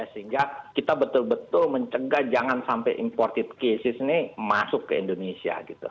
sehingga kita betul betul mencegah jangan sampai imported cases ini masuk ke indonesia gitu